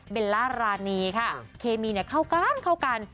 ล่ารานีค่ะเคมีเข้ากันเข้ากัน